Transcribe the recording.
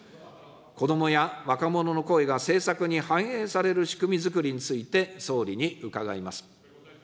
子どもや若者の声が政策に反映される仕組みづくりについて、総理に伺います。